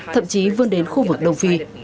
thậm chí vươn đến khu vực đông phi